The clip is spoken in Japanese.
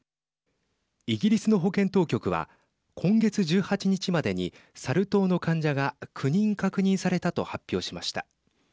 イギリスの保健当局は今月１８日までにサル痘の患者が９人確認されたと発表しました。